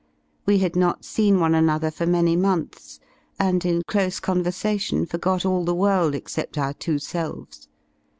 We had not seen one another for many months, and in close conversation forgot all the world except our two selves.